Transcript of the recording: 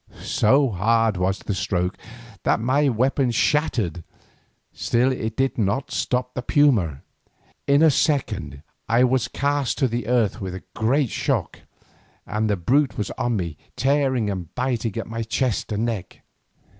So hard was this stroke that my weapon was shattered, still it did not stop the puma. In a second I was cast to the earth with a great shock, and the brute was on me tearing and biting at my chest and neck.